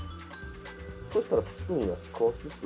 そしたらスプーンが少しずつ。